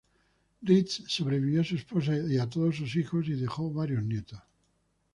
Rees, sobrevivió a su esposa y a todos sus hijos, y dejó varios nietos.